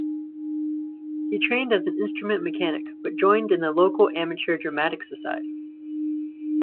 He trained as an instrument mechanic but joined the local amateur dramatic society.